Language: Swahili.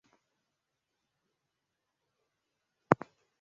Kwa pamoja vinatengeneza mafanikio ya usanifu wa kipekee